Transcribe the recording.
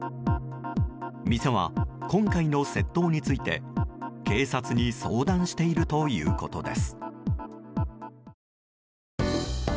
店は、今回の窃盗について警察に相談しているということです。